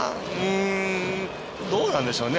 どうなんでしょう